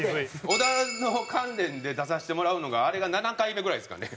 小田の関連で出させてもらうのがあれが７回目ぐらいですかね。